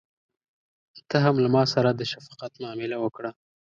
ته هم له ماسره د شفقت معامله وکړه.